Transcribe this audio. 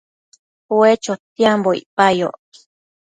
Ue chotiambo icpayoc